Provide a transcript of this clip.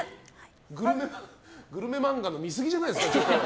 グルメ漫画の見すぎじゃないですか？